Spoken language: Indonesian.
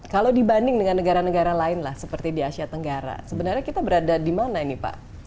kalau dibanding dengan negara negara lain lah seperti di asia tenggara sebenarnya kita berada di mana ini pak